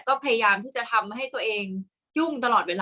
กากตัวทำอะไรบ้างอยู่ตรงนี้คนเดียว